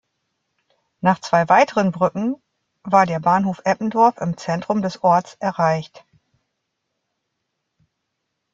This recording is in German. Nach zwei weiteren Brücken war der Bahnhof Eppendorf im Zentrum des Orts erreicht.